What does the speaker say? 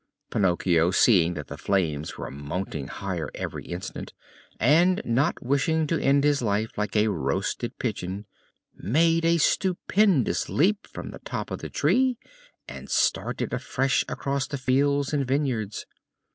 Pinocchio, seeing that the flames were mounting higher every instant, and not wishing to end his life like a roasted pigeon, made a stupendous leap from the top of the tree and started afresh across the fields and vineyards.